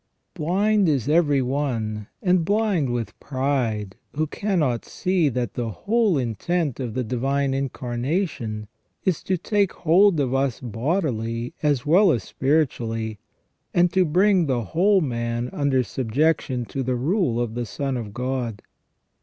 Blind is every one, and blind with pride, who cannot see that 364 THE REGENERATION OF MAN the whole intent of the Divine Incarnation is to take hold of us bodily as well as spiritually, and to bring the whole man under subjection to the rule of the Son of God.